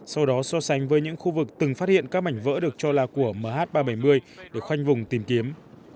sau đó so sánh với những khu vực từng phát hiện các mảnh vỡ được cho là của mh ba trăm bảy mươi để khoanh vùng tìm kiếm